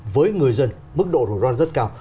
với người dân mức độ rủi ro rất cao